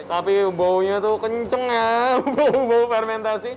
tapi baunya tuh kenceng ya bau bau fermentasi